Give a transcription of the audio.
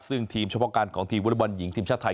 ซึ่งทีมเฉพาะการของทีมวอเล็กบอลหญิงทีมชาติไทย